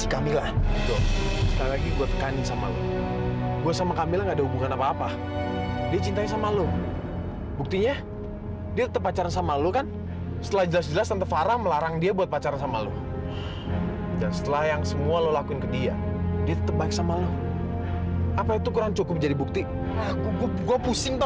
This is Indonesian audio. kamu mau bilang kalau anak saya itu bukan anak yang baik baik